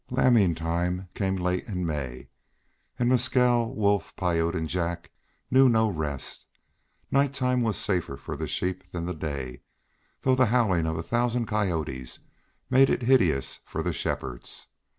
Lambing time came late in May, and Mescal, Wolf, Piute and Jack knew no rest. Night time was safer for the sheep than the day, though the howling of a thousand coyotes made it hideous for the shepherds.